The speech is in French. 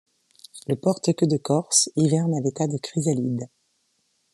Le Porte-Queue de Corse hiverne à l’état de chrysalide.